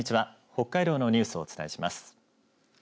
北海道のニュースをお伝えします。